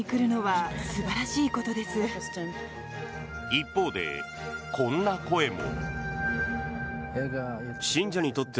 一方で、こんな声も。